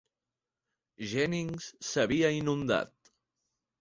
Jennings s'havia inundat.